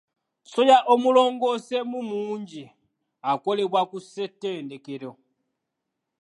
Soya omulongoseemu mungi akolebwa ku ssettendekero.